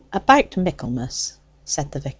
"About Michaelmas," said the vicar.